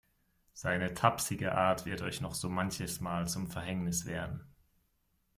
Seine tapsige Art wird euch noch so manches Mal zum Verhängnis werden.